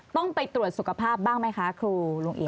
ต้องไปตรวจสุขภาพบ้างไหมคะครูลุงอี